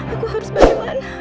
aku harus balik ke mana